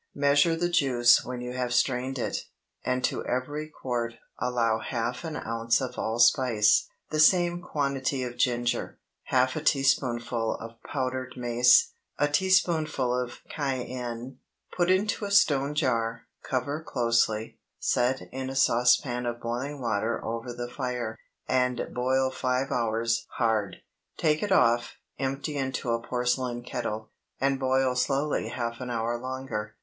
Measure the juice when you have strained it, and to every quart allow half an ounce of allspice, the same quantity of ginger, half a teaspoonful of powdered mace, a teaspoonful of cayenne. Put into a stone jar, cover closely, set in a saucepan of boiling water over the fire, and boil five hours hard. Take it off, empty into a porcelain kettle, and boil slowly half an hour longer.